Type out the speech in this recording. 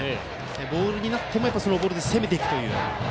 ボールになってもそのボールで攻めていく。